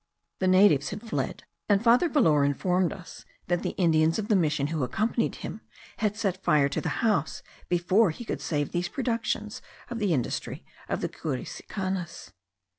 The natives had fled; and Father Valor informed us, that the Indians of the mission who accompanied him had set fire to the house before he could save these productions of the industry of the Curacicanas.